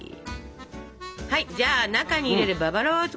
じゃあ中に入れるババロアを作りますよ。